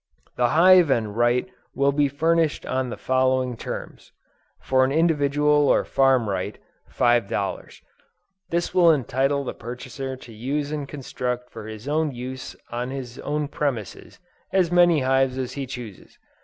The hive and right will be furnished on the following terms. For an individual or farm right, five dollars. This will entitle the purchaser to use and construct for his own use on his own premises, as many hives as he chooses.